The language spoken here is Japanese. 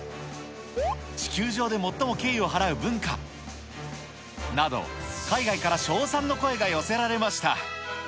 地球上で最も敬意を払う文化など、海外から称賛の声が寄せられました。